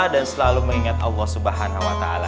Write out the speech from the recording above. dan selalu mengingat allah swt ya